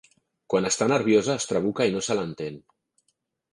Quan està nerviosa es trabuca i no se l'entén.